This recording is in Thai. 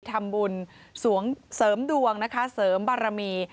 ทำบุญเสริมดวงนะคะเสริมบารมี